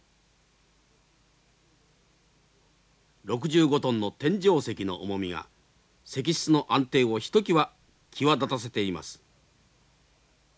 ６５トンの天井石の重みが石室の安定をひときわ際立たせています。